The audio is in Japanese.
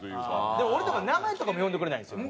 でも俺とか名前とかも呼んでくれないんですよ。